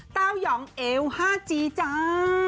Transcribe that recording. เต้าย๋องเอวห้าจี๋จ้า